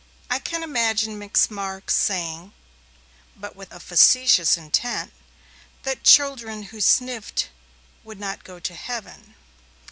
I can imagine Miss Marks saying, but with a facetious intent, that children who sniffed would not go to heaven.